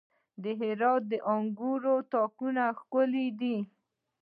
د هرات د انګورو تاکونه ښکلي دي.